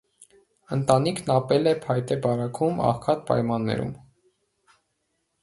Ընտանիքն ապել է փայտե բարաքում, աղքատ պայմաններում։